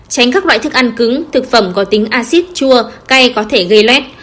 tránh các loại thức ăn cứng thực phẩm có tính acid chua cay có thể gây lét